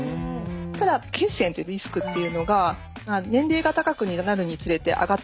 ただ血栓っていうリスクっていうのが年齢が高くなるにつれて上がっていくんですね。